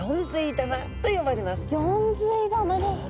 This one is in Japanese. ギョンズイ玉ですか。